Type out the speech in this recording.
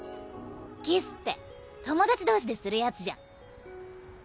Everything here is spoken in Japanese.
キスって友達同士でするやつじゃん。